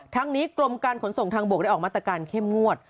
ทั้งนี้กรมการขนส่งทางบกได้ออกมาตรการเข้มงวด